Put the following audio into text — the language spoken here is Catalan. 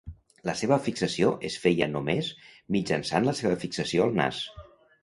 La seva fixació es feia només mitjançant la seva fixació al nas.